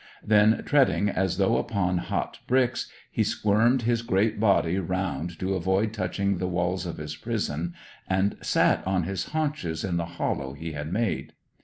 Then, treading as though upon hot bricks, he squirmed his great body round to avoid touching the walls of his prison, and sat on his haunches in the hollow he had made.